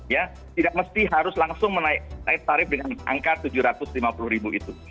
ya tidak mesti harus langsung menaik tarif dengan angka tujuh ratus lima puluh ribu itu